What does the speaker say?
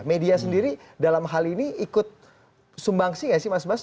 media sendiri dalam hal ini ikut sumbangsi nggak sih mas bas